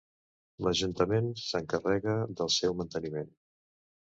L'ajuntament s'encarrega del seu manteniment.